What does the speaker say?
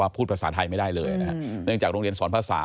พอพูดท่าถ่ายไม่ได้เนื่องจากโรงเรียนสอนภาษา